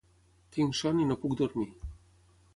Tinc son i no puc dormir